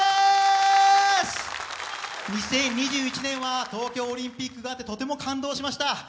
２０２１年は東京オリンピックがあって、とても感動しました。